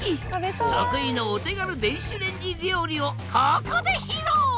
得意のお手軽電子レンジ料理をここで披露！